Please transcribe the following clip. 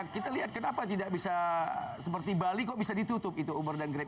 kita lihat kenapa tidak bisa seperti bali kok bisa ditutup itu uber dan grade